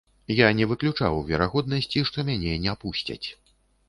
Я не выключаў верагоднасці, што мяне не пусцяць.